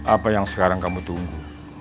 apa yang sekarang kamu tunggu